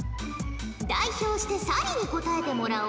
代表して咲莉に答えてもらおう。